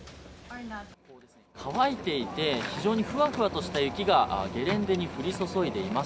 乾いていて非常にふわふわとした雪がゲレンデに降り注いでいます。